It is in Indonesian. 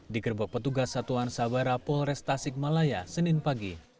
digerebek petugas satuan sabara polres tasikmalaya senin pagi